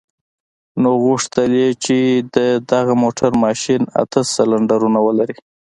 نو غوښتل يې چې د دغه موټر ماشين اته سلنډرونه ولري.